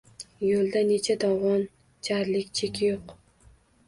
Yo’lda necha dovon, jarlik, cheki yo’q